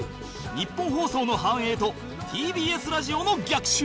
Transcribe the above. ニッポン放送の繁栄と ＴＢＳ ラジオの逆襲